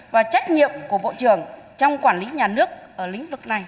và trách nhiệm của bộ trưởng trong quản lý nhà nước ở lĩnh vực này